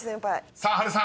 ［さあ波瑠さん